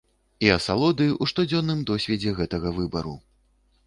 І асалоды ў штодзённым досведзе гэтага выбару.